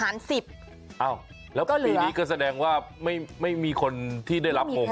อ้าวแล้วปีนี้ก็แสดงว่าไม่มีคนที่ได้รับโมง